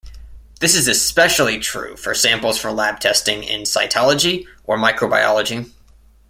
This is especially true for samples for lab testing in cytology or microbiology.